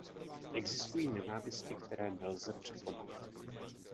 Existují nenávisti, které nelze překonat.